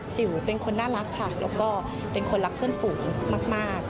สิวเป็นคนน่ารักค่ะแล้วก็เป็นคนรักเพื่อนฝูงมาก